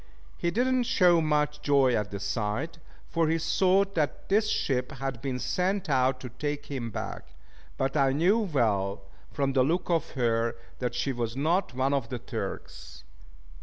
He did not show much joy at the sight, for he thought that this ship had been sent out to take him back: but I knew well, from the look of her, that she was not one of the Turk's.